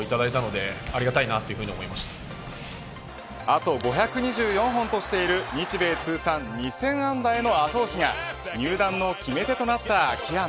あと５２４本としている日米通算２０００安打への後押しが入団の決め手となった秋山。